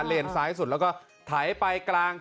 เลนส์ซ้ายสุดแล้วก็ถ่ายไปกลาง